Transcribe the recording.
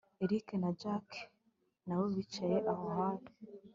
erick na jack nabo bicaye aho hafi